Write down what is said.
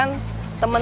untuk menjaga keamanan